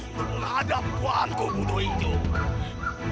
untuk menghadap puanku budo injok